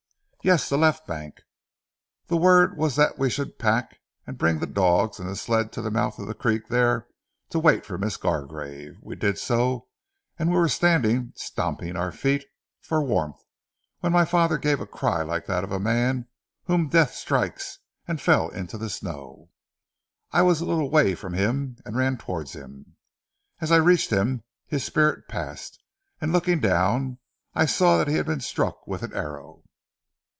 "Yes! The left bank. The word was that we should pack and bring the dogs and the sled to the mouth of the creek there to wait for Miss Gargrave. We did so, and were standing, stamping our feet for warmth, when my father gave a cry like that of a man whom death strikes and fell into the snow. I was a little way from him, and ran towards him. As I reached him his spirit passed, and looking down I saw that he had been struck with an arrow."